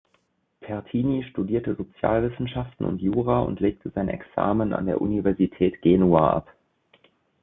Pertini studierte Sozialwissenschaften und Jura und legte sein Examen an der Universität Genua ab.